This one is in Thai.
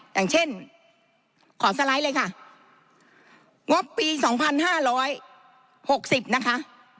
อย่างเช่นขอสไลด์เลยค่ะงบปีสองพันห้าร้อยหกสิบนะคะ